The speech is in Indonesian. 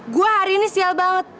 gue hari ini sial banget